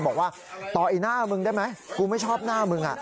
บอกว่าต่อไอ้หน้ามึงได้ไหมกูไม่ชอบหน้ามึง